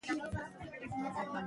پښتو او هېواد سره د مینې او علاقې